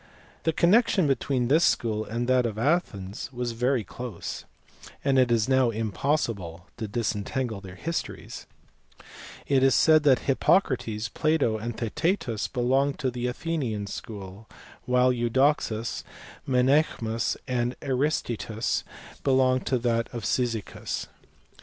The connection between this school and that of Athens was very close, and it is now impossible to disentangle their histories. It is said that Hippocrates, Plato, and Theaetetus belonged to the Athenian school ; while Eudoxus, Menaechmus, and Aristaeus belonged to that of 38 THE SCHOOLS OF ATHENS AND CYZICUS. Cyzicus.